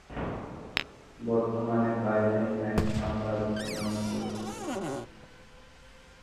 বর্তমানে বাইজেন্টাইন সাম্রাজ্য নামে পরিচিত।